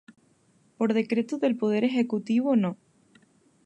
Por decreto del Poder Ejecutivo No.